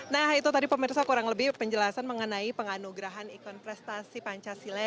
nah itu tadi pemirsa kurang lebih penjelasan mengenai penganugerahan ikon prestasi pancasila